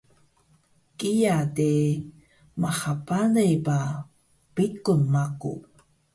kiya de maha bale ba biqun maku